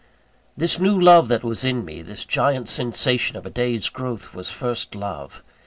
This new love that was in me; this giant sensation of a day's growth, was first love.